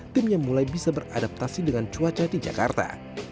timnya mulai bisa beradaptasi dengan cuaca di jakarta